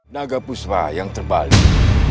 naga puspa yang terbalik